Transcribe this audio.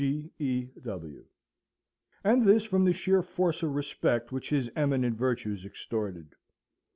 G. E. W.]. And this from the sheer force of respect which his eminent virtues extorted.